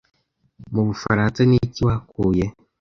Mu Bufaransa ni iki wahakuye